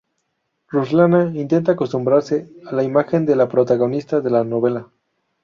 Ruslana intenta acostumbrarse a la imagen de la protagonista de la novela.